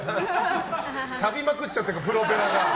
サビまくっちゃってるからプロペラが。